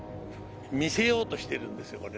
見せようとしてるんですよこれね。